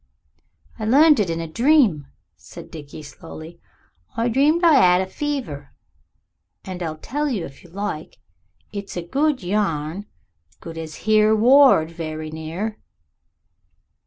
"I learned it in a dream," said Dickie slowly. "I dreamed I 'ad a fever and I'll tell you if you like: it's a good yarn good as Here Ward, very near."